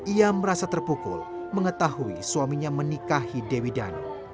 ia merasa terpukul mengetahui suaminya menikahi dewi danu